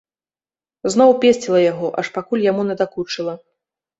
Зноў песціла яго, аж пакуль яму надакучыла.